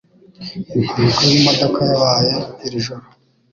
impanuka y'imodoka yabaye irijoro